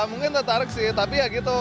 mungkin tertarik sih tapi ya gitu